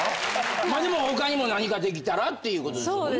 まあでも他にも何かできたらっていう事ですもんね。